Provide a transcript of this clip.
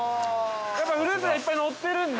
フルーツがいっぱいのってるんで、